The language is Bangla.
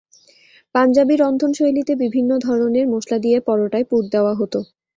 পাঞ্জাবি রন্ধনশৈলীতে বিভিন্ন ধরনের মসলা দিয়ে পরোটায় পুর দেওয়া হতো।